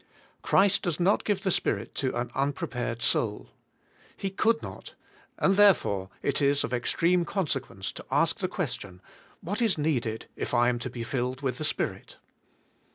Christ does not g ive the Spirit to an unprepared soul. He could not, and therefore it is of extreme consequence to ask the question, "What is needed if I am to be filled with the Spirit?"